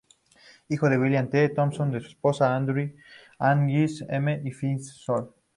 Hijo de William T. Thompson y de su esposa Agnes M. Fitzroy.